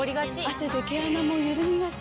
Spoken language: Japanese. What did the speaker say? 汗で毛穴もゆるみがち。